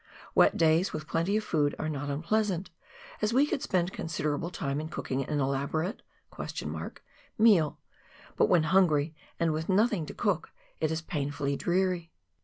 "Wet days with plenty of food are not unpleasant, as we could spend considerable time in cooking an elaborate (?) meal, but when hungry and with nothing to cook it is painfully dreary.